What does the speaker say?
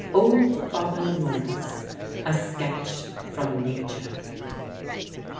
OLD FATHER MORRIS. A SKETCH FROM NATURE.